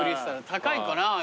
高いかな？